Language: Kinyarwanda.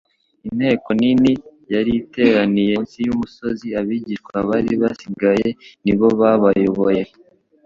Inteko nini yari iteraniye munsi y'umusozi abigishwa bari basigaye ni bo babayoboye,